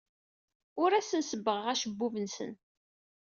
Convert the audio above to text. Ur asen-sebbɣeɣ acebbub-nsen.